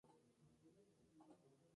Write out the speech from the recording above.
Aeropuertos de España